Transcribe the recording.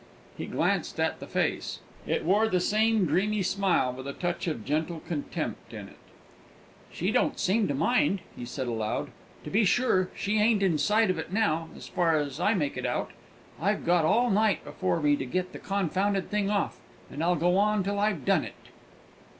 He glanced at the face; it wore the same dreamy smile, with a touch of gentle contempt in it. "She don't seem to mind," he said aloud; "to be sure, she ain't inside of it now, as far as I make it out. I've got all night before me to get the confounded thing off, and I'll go on till I've done it!"